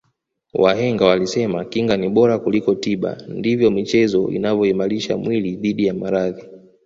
wahenga walisema kinga ni bora kuliko tiba ndivyo michezo inavyoimalisha mwili dhidi ya maradhi